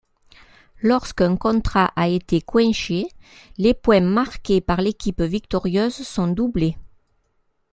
Lorsqu'un contrat a été coinché, les points marqués par l'équipe victorieuse sont doublés.